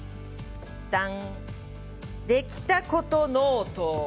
できたことノート。